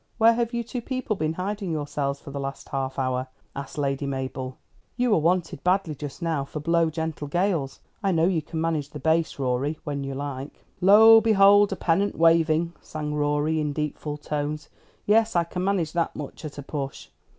"Where have you two people been hiding yourselves for the last half hour?" asked Lady Mabel. "You were wanted badly just now for 'Blow, Gentle Gales.' I know you can manage the bass, Rorie, when you like." "'Lo, behold a pennant waving!'" sang Rorie in deep full tones. "Yes, I can manage that much, at a push.